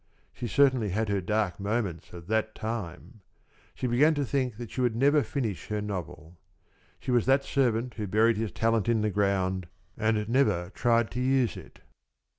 She certainly had her dark moments at that time! She began to think that she never would finish her novel. She was that servant who buried his talent in the ground and never tried to use it.